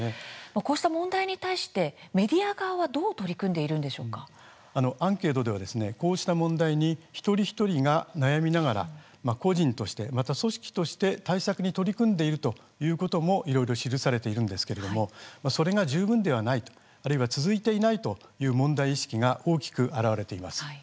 こうした問題に対してメディア側はアンケートではこうした問題に一人一人が悩みながら個人として、また組織として対策に取り組んでいるということもいろいろ記されているんですけれどもそれが十分ではない、あるいは続いていないという問題意識が大きく現れています。